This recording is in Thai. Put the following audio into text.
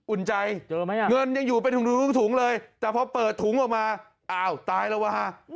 อุ่นใจไหมอ่ะเงินยังอยู่เป็นถุงเลยแต่พอเปิดถุงออกมาอ้าวตายแล้วว่ะฮะ